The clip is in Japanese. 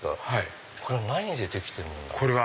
これは何でできてるものなんですか？